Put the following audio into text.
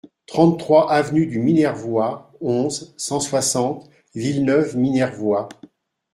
trente-trois avenue du Minervois, onze, cent soixante, Villeneuve-Minervois